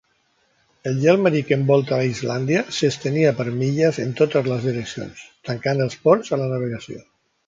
El gel marí que envolta a Islàndia s'estenia per milles en totes les direccions, tancant els ports a la navegació.